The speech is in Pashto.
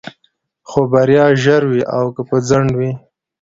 خو بريا ژر وي او که په ځنډ وي.